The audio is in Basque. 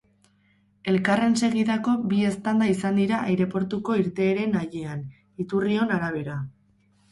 Elkarren segidako bi eztanda izan dira aireportuko irteeren hallean, iturrion arabera.